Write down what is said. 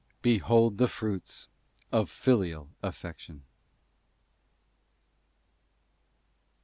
Behold the Fruits of Filial affection!!